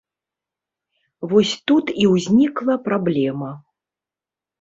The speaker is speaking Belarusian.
Вось тут і ўзнікла праблема.